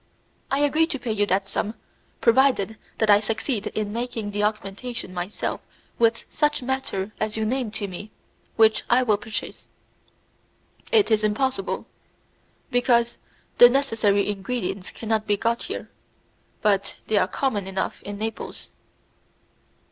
"I agree to pay you that sum provided that I succeed in making the augmentation myself with such matter as you name to me, which I will purchase." "It is impossible, because the necessary ingredients cannot be got here; but they are common enough in Naples."